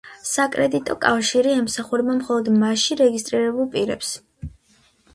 საკრედიტო კავშირი ემსახურება მხოლოდ მასში რეგისტრირებულ პირებს.